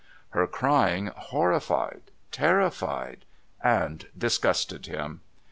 Her crying horrified, terrified, and disgusted him.